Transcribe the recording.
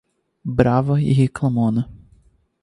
Brava e reclamona